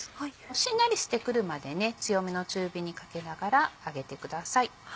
しんなりしてくるまで強めの中火にかけながら揚げてください。